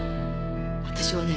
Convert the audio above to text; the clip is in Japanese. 私はね